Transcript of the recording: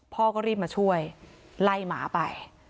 พ่อก็รีบมาช่วยไล่หมาไป